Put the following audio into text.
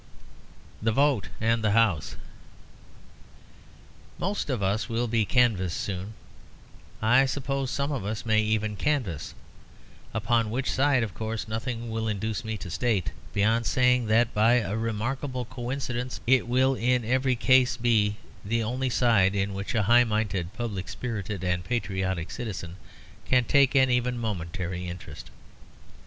THE VOTE AND THE HOUSE Most of us will be canvassed soon, I suppose; some of us may even canvass. Upon which side, of course, nothing will induce me to state, beyond saying that by a remarkable coincidence it will in every case be the only side in which a high minded, public spirited, and patriotic citizen can take even a momentary interest.